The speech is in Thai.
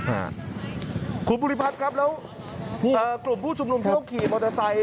อ่าคุณภูริพัฒน์ครับแล้วเอ่อกลุ่มผู้ชุมนุมที่เขาขี่มอเตอร์ไซค